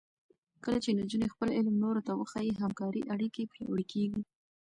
کله چې نجونې خپل علم نورو ته وښيي، همکارۍ اړیکې پیاوړې کېږي.